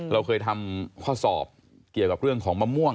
เราเคยทำข้อสอบเกี่ยวกับเรื่องของมะม่วง